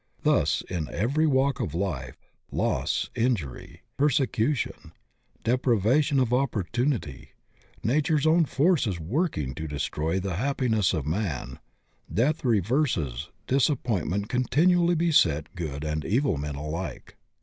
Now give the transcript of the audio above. Thus in every walk of life, loss, injury, per secution, deprivation of opportunity, nature's own forces working to destroy the happiness of man, death, reverses, disappointment continually beset good and evil men alike.